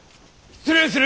失礼する。